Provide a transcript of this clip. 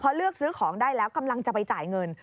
เลือกซื้อของได้แล้วกำลังจะไปจ่ายเงิน